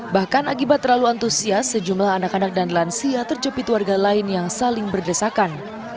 bahkan akibat terlalu antusias sejumlah anak anak dan lansia terjepit warga lain yang saling berdesakan